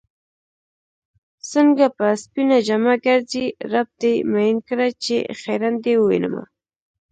څنګه په سپينه جامه ګرځې رب دې مئين کړه چې خيرن دې ووينمه